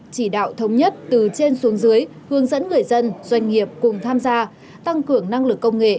chỉ đạo thống nhất từ trên xuống dưới hướng dẫn người dân doanh nghiệp cùng tham gia tăng cường năng lực công nghệ